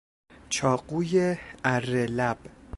چاقوی اره لب